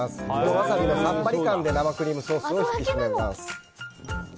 ワサビのさっぱり感で生クリームソースを引き締めます。